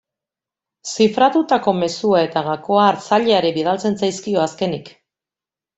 Zifratutako mezua eta gakoa hartzaileari bidaltzen zaizkio azkenik.